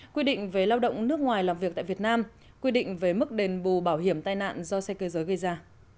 quy định về lao động nước ngoài làm việc tại việt nam quy định về mức đền bù bảo hiểm tai nạn do xe cơ giới gây ra